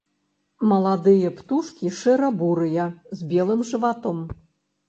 Маладыя птушкі шэра-бурыя з белым жыватом.